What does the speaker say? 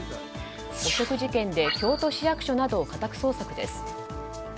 汚職事件で京都市役所などを家宅捜索です。